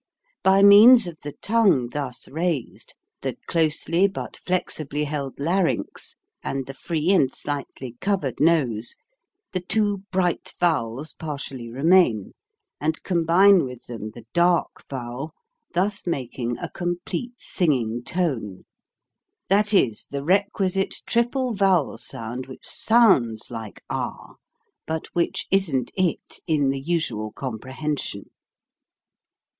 By means of the tongue thus raised, the closely but flexibly held larynx, and the free and slightly covered nose, the two bright vowels partially remain, and combine with them the dark vowel, thus making a complete singing tone that is, the requisite triple vowel sound which sounds like ah but which isn't it in the usual comprehension.